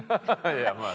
いやまあ。